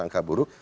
atau maka buruk